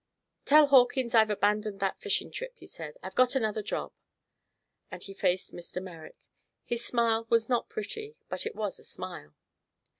"Tell Hawkins I've abandoned that fishing trip," he said. "I've got another job." Then he faced Mr. Merrick. His smile was not pretty, but it was a smile.